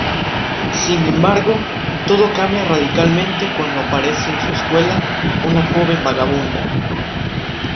Sin embargo, todo cambia radicalmente cuando aparece en su escuela una joven vagabunda.